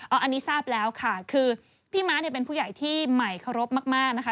อันนี้ทราบแล้วค่ะคือพี่ม้าเนี่ยเป็นผู้ใหญ่ที่ใหม่เคารพมากนะคะ